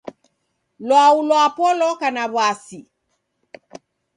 Lwau lwapo loka na w'asi.